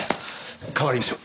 代わりましょう。